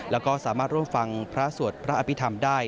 แล้วก็สามารถร่วมฟังพระสวดพระอภิษฐรรมได้